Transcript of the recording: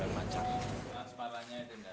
pengawalan dilakukan karena banyak tps